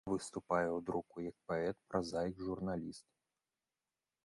Выступае ў друку як паэт, празаік, журналіст.